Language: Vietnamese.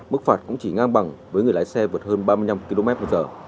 mức phạt cũng chỉ ngang bằng với người lái xe vượt hơn ba mươi năm kmh